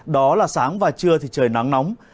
đó là sáng và trưa thì trời nắng nóng